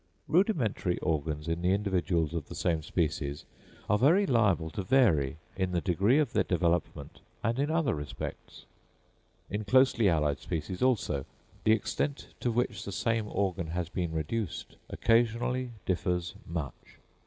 Rudimentary organs in the individuals of the same species are very liable to vary in the degree of their development and in other respects. In closely allied species, also, the extent to which the same organ has been reduced occasionally differs much.